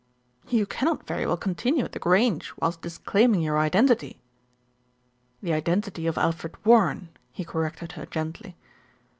"You cannot very well continue at The Grange whilst disclaiming your identity." "The identity of Alfred Warren," he corrected her gently.